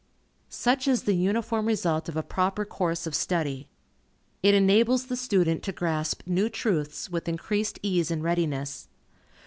Such is the uniform result of a proper course of study. It enables the student to grasp new truths with increased ease and readiness.